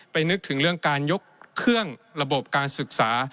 นึกถึงเรื่องการยกเครื่องระบบการศึกษา